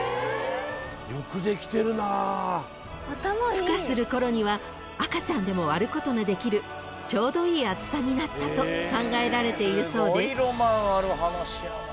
［ふ化するころには赤ちゃんでも割ることのできるちょうどいい厚さになったと考えられているそうです］